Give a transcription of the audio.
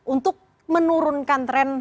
untuk menurunkan tren